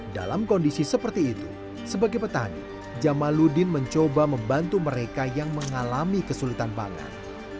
dalam kondisi seperti itu sebagai petani jamaludin mencoba membantu mereka yang mengalami kesulitan pangan